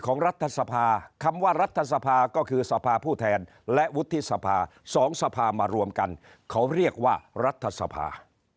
รัฐสภาคำว่ารัฐสภาก็คือสภาผู้แทนและวุฒิสภา๒สภามารวมกันเขาเรียกว่ารัฐสภา